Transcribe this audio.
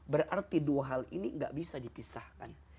berarti dua hal ini gak bisa dipisahkan